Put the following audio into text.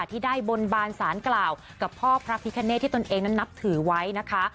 ที่ได้บนบานสารกล่าวกับพ่อพระพิคเนตที่ตนเองนั้นนับถือไว้นะคะ